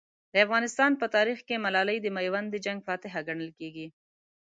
د افغانستان په تاریخ کې ملالۍ د میوند د جنګ فاتحه ګڼل کېږي.